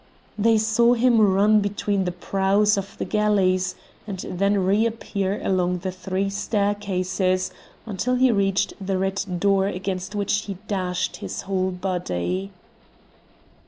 They saw him run between the prows of the galleys, and then reappear along the three staircases until he reached the red door against which he dashed his whole body.